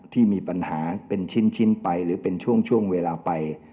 ที่มีปัญหาเป็นชิ้นไปหรือเป็นช่วงเวลาไป